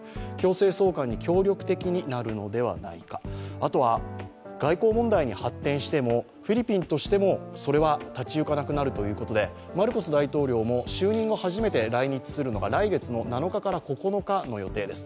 あとは、外交問題に発展してもフィリピンとしてもそれは立ち行かなくなるということでマルコス大統領も就任後初めて来日するのは来月７日から９日までの間です。